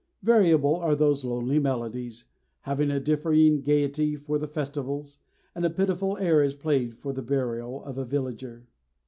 Variable are those lonely melodies, having a differing gaiety for the festivals; and a pitiful air is played for the burial of a villager.